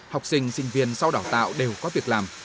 học sinh sinh viên sau đào tạo đều có việc làm